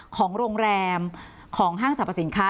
ของโรงแรมของห้างสรรพสินค้า